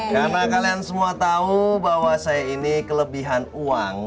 karena kalian semua tahu bahwa saya ini kelebihan uang